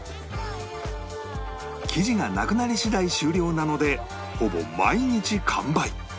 生地がなくなり次第終了なのでほぼ毎日完売